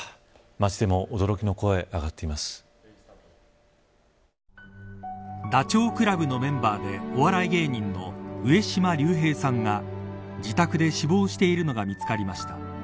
街でも驚きの声がダチョウ倶楽部のメンバーでお笑い芸人の上島竜兵さんが自宅で死亡しているのが見つかりました。